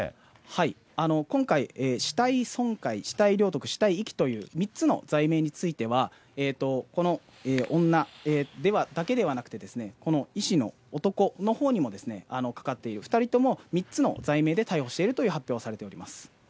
はい、今回、死体損壊、死体領得、死体遺棄という、３つの罪名については、この女だけではなくて、この医師の男のほうにもかかっている、２人とも３つの罪名で逮捕していると発表がされております。